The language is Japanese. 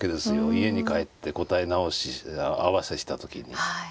家に帰って答え合わせした時に。